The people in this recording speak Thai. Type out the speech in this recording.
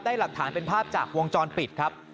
หลักฐานเป็นภาพจากวงจรปิดครับ